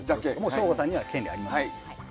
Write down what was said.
省吾さんには権利がありません。